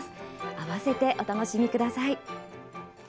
あわせてお楽しみください。